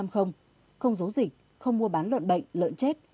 không giấu dịch không mua bán lợn bệnh lợn chết